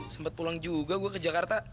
sempat pulang juga gue ke jakarta